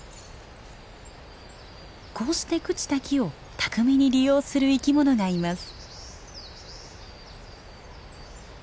こうして朽ちた木を巧みに利用する生き物がいます。